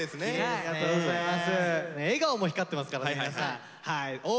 ありがとうございます。